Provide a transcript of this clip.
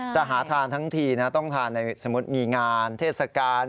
จะหาทานทั้งทีนะต้องทานในสมมุติมีงานเทศกาล